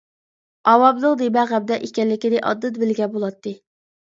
ئاۋامنىڭ نېمە غەمدە ئىكەنلىكىنى ئاندىن بىلگەن بولاتتى.